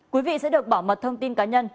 quý vị sẽ được bảo mật thông tin cá nhân